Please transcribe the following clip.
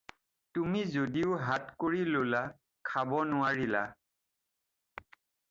তুমি যদিও হাত কৰি ল'লা, খাব নোৱাৰিলা।